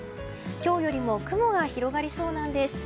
今日よりも雲が広がりそうなんです。